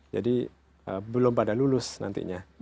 jadi belum pada lulus nantinya